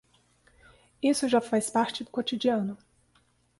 Isso já faz parte do cotidiano.